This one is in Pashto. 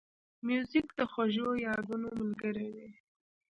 موزیک د خوږو یادونو ملګری دی.